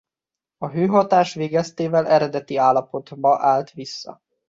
A hőhatás végeztével eredeti állapotba áll vissza.